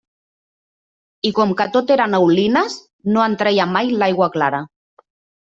I com que tot eren aulines, no en treia mai l'aigua clara.